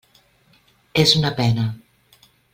És una pena.